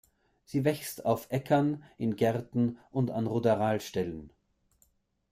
Sie wächst auf Äckern, in Gärten und an Ruderalstellen.